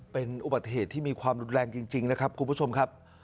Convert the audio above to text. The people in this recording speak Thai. เป็นอุปเทศที่มีความแรงจริงนะครับคุณผู้ชมครับ